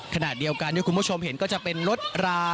ขณะเดียวกันที่คุณผู้ชมเห็นก็จะเป็นรถรา